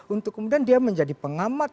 untuk kemudian dia menjadi pengamat